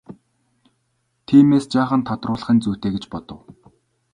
Тиймээс жаахан тодруулах нь зүйтэй гэж бодов.